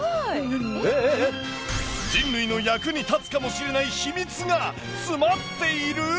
人類の役に立つかもしれない秘密が詰まっている！？